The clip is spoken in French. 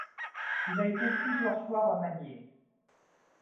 Il a été plusieurs fois remanié.